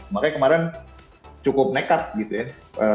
makanya kemarin cukup nekat gitu ya